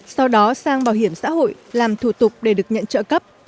sau đó sang bảo hiểm xã hội làm thủ tục để được nhận trợ cấp